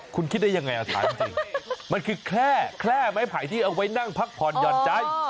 คุณคิดได้ยังไงถามจริงมันคือแค่ไม้ไผ่ที่เอาไว้นั่งพักผ่อนหย่อนใจ